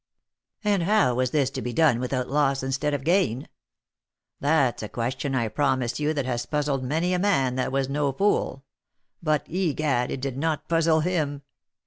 And how was this to be done without loss instead of gain ? That's a question I promise you that has puzzled many a man that was no fool — but, egad, it did not puzzle him.